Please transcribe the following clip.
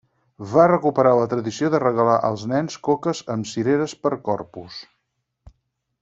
Va recuperar la tradició de regalar als nens coques amb cireres per Corpus.